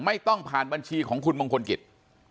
ไม่ต้องผ่านบัญชีของคุณมงคลกิจ